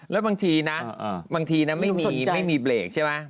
และบางทีไม่มีเบรคใช่ไหม